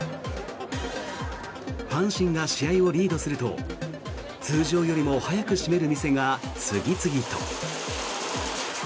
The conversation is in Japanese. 阪神が試合をリードすると通常よりも早く閉める店が次々と。